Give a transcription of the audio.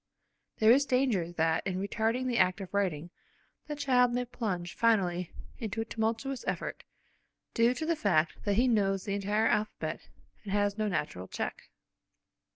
There is danger that in retarding the act of writing, the child may plunge finally into a tumultuous effort, due to the fact that he knows the entire alphabet and has no natural check.